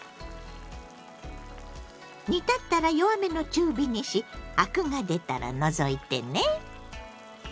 煮立ったら弱めの中火にしアクが出たら除いてね。